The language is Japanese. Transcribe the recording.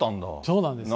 そうなんです。